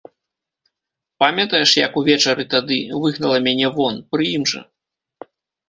Памятаеш, як увечары тады выгнала мяне вон, пры ім жа?